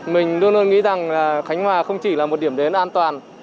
mình luôn luôn nghĩ rằng khánh hòa không chỉ là một điểm đến an toàn